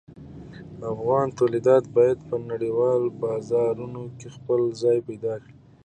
افغان تولیدات باید په نړیوالو بازارونو کې خپل ځای پیدا کړي.